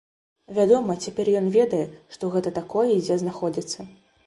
Вядома, цяпер ён ведае, што гэта такое і дзе знаходзіцца.